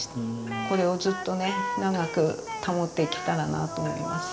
これをずっとね長く保っていけたらなと思います。